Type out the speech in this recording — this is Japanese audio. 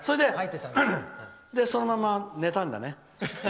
そのまま寝たんだね。